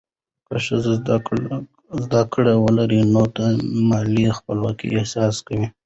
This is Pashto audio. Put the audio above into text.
که ښځه زده کړه ولري، نو د مالي خپلواکۍ احساس کوي.